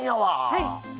はい。